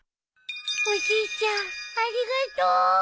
おじいちゃんありがとう。